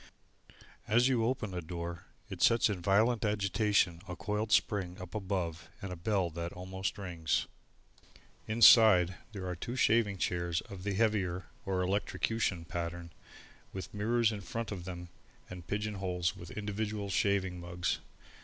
As you open the door, it sets in violent agitation a coiled spring up above and a bell that almost rings. Inside, there are two shaving chairs of the heavier, or electrocution pattern, with mirrors in front of them and pigeon holes with individual shaving mugs.